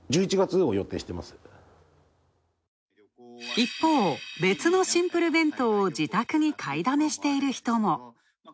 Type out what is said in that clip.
一方、別のシンプル弁当を自宅に買いだめしている人も。